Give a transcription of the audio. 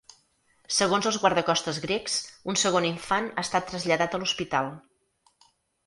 Segons els guardacostes grecs, un segon infant ha estat traslladat a l’hospital.